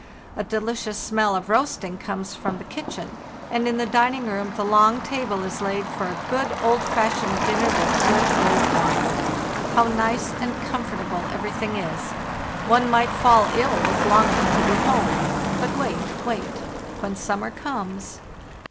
A delicious smell of roasting comes from the kitchen, and in the dining room the long table is laid for a good, old fashioned dinner with good old wine. How nice and comfortable everything is! One might fall ill with longing to be home. But wait, wait; when summer comes.